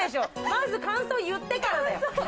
まず感想言ってからだよ。